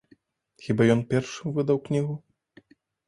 Хіба ён першым выдаў кнігу?